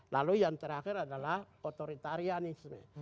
lalu yang terakhir adalah otoritarianisme